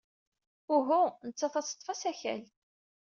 Uhu, nettat ad teḍḍef asakal.